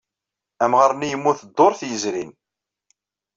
Amɣar-nni yemmut dduṛt yezrin.